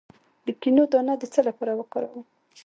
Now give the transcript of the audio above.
د کینو دانه د څه لپاره وکاروم؟